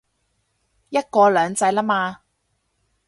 一國兩制喇嘛